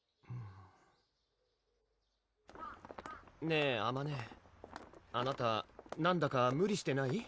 ねぇあまねあなたなんだか無理してない？